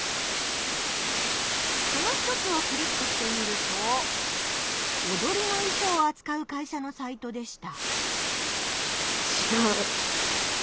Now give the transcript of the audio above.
その一つをクリックしてみるとおどりのいしょうをあつかう会社のサイトでした。